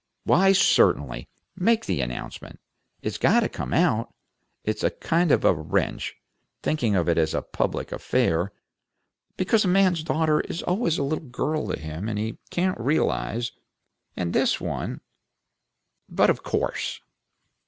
"Why, certainly! Make the announcement! It's got to come out. It's a kind of a wrench, thinking of it as a public affair; because a man's daughter is always a little girl to him, and he can't realize And this one But of course!"